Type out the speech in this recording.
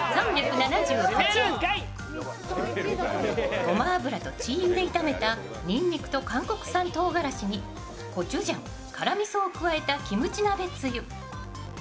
ごま油と鶏油で炒めたにんにくと韓国産とうがらしにコチュジャン、辛みそを加えたキムチ鍋つゆ。